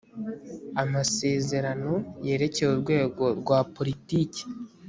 amasezerano yerekeye urwego rwa politiki